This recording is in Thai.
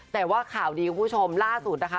แต่ว่าข่าวดีคุณผู้ชมล่าสุดนะคะ